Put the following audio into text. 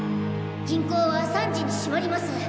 銀行は３時に閉まります。